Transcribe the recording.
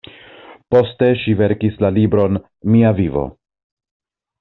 Poste ŝi verkis la libron ""Mia vivo"".